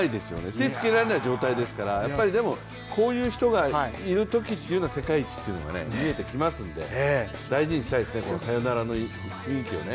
手がつけられない状態ですから、こういう人がいるときというのは世界一というのが見えてきますんで大事にしたいですね、サヨナラの雰囲気をね。